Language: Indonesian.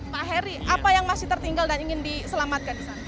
pak heri apa yang masih tertinggal dan ingin diselamatkan di sana